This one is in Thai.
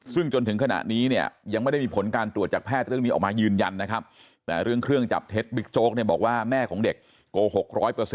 ซึ่งจนถึงขณะนี้เนี่ยยังไม่ได้มีผลการตรวจจากแพทย์ยืนยันนะครับและเครื่องจับเทศบิ๊กโจ๊กบอกว่าแม่ของเด็กโกหก